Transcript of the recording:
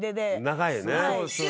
長いよね。